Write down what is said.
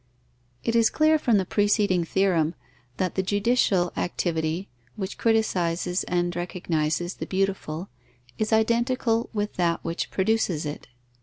_ It is clear from the preceding theorem, that the judicial activity, which criticizes and recognizes the beautiful, is identical with that which produces it.